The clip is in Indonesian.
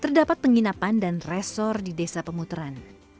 terdapat penginapan dan resor di desa pemuteran